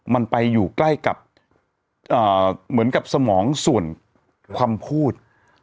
มันไปอยู่ใกล้กับเหมือนกับสมองส่วนความพูด